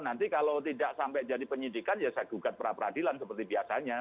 nanti kalau tidak sampai jadi penyidikan ya saya gugat pra peradilan seperti biasanya